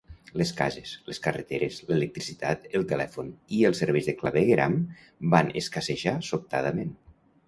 Les cases, les carreteres, l'electricitat, el telèfon i els serveis de clavegueram van escassejar sobtadament.